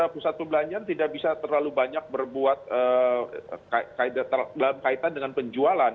pusat perbelanjaan tidak bisa terlalu banyak berbuat dalam kaitan dengan penjualan